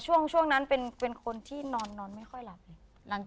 ช่วงนั้นเป็นคนที่นอนไม่ค่อยหลับเลย